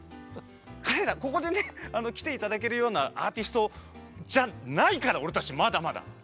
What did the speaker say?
彼らここでねあの来て頂けるようなアーティストじゃないから俺たちまだまだ。